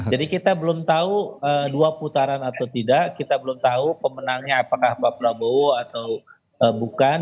jadi kita belum tahu dua putaran atau tidak kita belum tahu pemenangnya apakah pak prabowo atau bukan